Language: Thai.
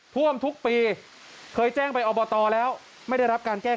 ท่วมทุกปีเคยแจ้งไปอบตแล้วไม่ได้รับการแก้